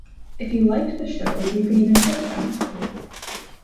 If you liked the show, you could even tip them.